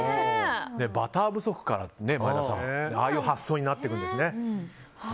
バター不足から、前田さんああいう発想になっていくんですね。